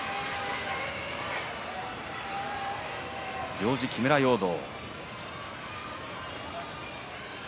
行司は木村容堂。